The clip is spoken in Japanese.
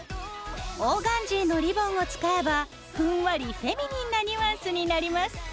オーガンジーのリボンを使えばふんわりフェミニンなニュアンスになります。